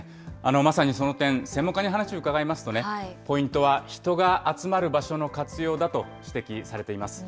まさにその点、専門家に話を伺いますと、ポイントは人が集まる場所の活用だと指摘されています。